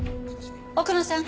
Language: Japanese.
奥野さん。